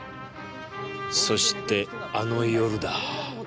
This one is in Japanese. そしてあの夜だ。